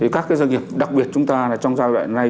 các cái doanh nghiệp đặc biệt chúng ta là trong giai đoạn này